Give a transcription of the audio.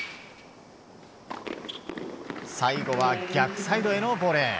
最後は逆サイドへのボレー。